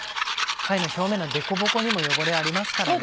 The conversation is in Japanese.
貝の表面のでこぼこにも汚れありますからね。